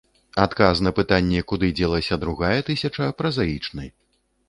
Адказ на пытанне, куды дзелася другая тысяча, празаічны.